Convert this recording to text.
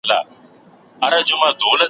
تل مدام یې تر درنو بارونو لاندي `